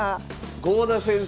郷田先生。